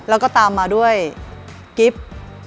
แล้วก็ตามมาด้วยกิฟต์